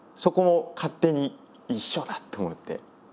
そこも勝手に「一緒だ」と思って。